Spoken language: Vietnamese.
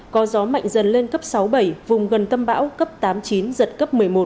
có gió mạnh dần lên cấp sáu bảy vùng gần tâm bão cấp tám chín giật cấp một mươi một